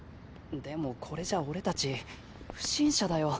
でもこれじゃ俺たち不審者だよ。